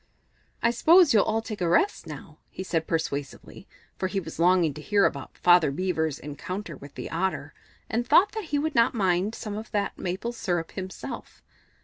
"I s'pose you'll all take a rest now," he said persuasively, for he was longing to hear about Father Beaver's encounter with the Otter, and thought that he would not mind trying some of that maple syrup himself.